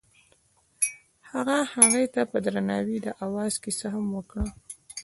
هغه هغې ته په درناوي د اواز کیسه هم وکړه.